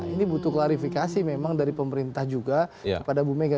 ini butuh klarifikasi memang dari pemerintah juga kepada bu mega